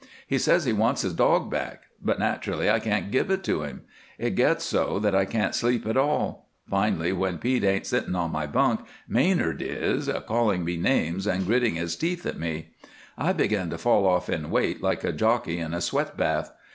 He says he wants his dog back, but naturally I can't give it to him. It gets so that I can't sleep at all. Finally, when Pete ain't sitting on my bunk Manard is calling me names and gritting his teeth at me. I begin to fall off in weight like a jockey in a sweat bath.